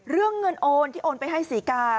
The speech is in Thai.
เรื่องเงินโอนที่โอนไปให้ศรีกา